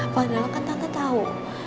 padahal kan tante tau